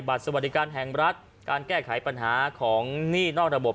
สวัสดิการแห่งรัฐการแก้ไขปัญหาของหนี้นอกระบบ